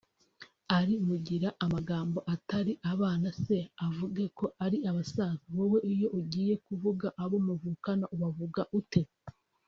ark mungira amagambo atari abana se avuge ko ari abasaza wowe iyo ungiye kuvuga abo muvukana ubavuga ute